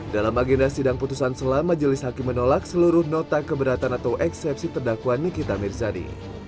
dalam agenda sidang putusan selam majelis hakim menolak seluruh nota keberatan atau eksepsi terdakwa nikita mirzani